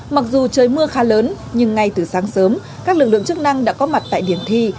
mặc dù trời mưa khá lớn nhưng ngay từ sáng sớm các lực lượng chức năng đã có mặt tại điểm thi